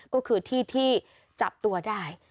ก็คือที่ที่จับตัวได้